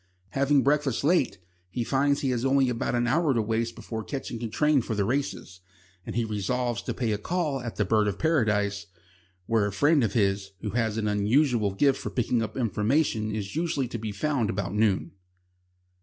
Having breakfasted late, he finds he has only about an hour to waste before catching a train for the races, and he resolves to pay a call at the "Bird of Paradise," where a friend of his who has an unusual gift for picking up information is usually to be found about noon.